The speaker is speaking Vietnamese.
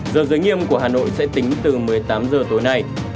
giờ giới nghiêm của hà nội sẽ tính từ một mươi tám h tối nay